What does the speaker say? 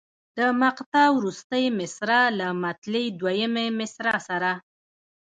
د مقطع وروستۍ مصرع له مطلع دویمې مصرع سره.